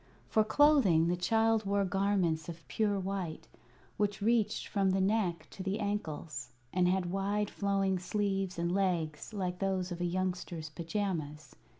For clothing the child wore garments of pure white, which reached from the neck to the ankles, and had wide flowing sleeves and legs, like those of a youngster's pajamas.